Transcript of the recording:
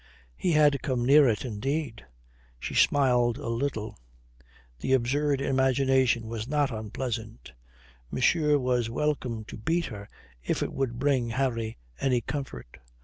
He had come near it, indeed. She smiled a little. The absurd imagination was not unpleasant. Monsieur was welcome to beat her if it would bring Harry any comfort.